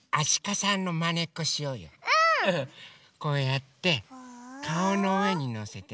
こうやってかおのうえにのせてね。